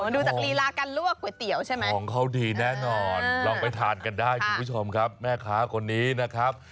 ดูจากลีลาการลวกก๋วยเตี๋ยวใช่ไหมของเขาดีแน่นอนลองไปทานกันได้คุณผู้ชมครับแม่ค้าคนนี้นะครับ